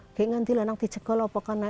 ngek nganti lelak di jegol apa kan nait